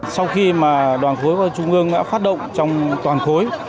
sau khi mà đoàn khối trung ương đã phát động trong toàn khối